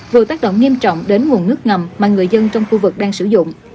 vừa tác động nghiêm trọng đến nguồn nước ngầm mà người dân trong khu vực đang sử dụng